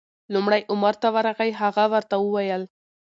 لومړی عمر ته ورغی، هغه ورته وویل: